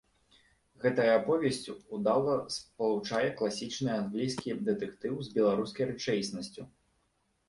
Гэтая аповесць удала спалучае класічны англійскі дэтэктыў з беларускай рэчаіснасцю.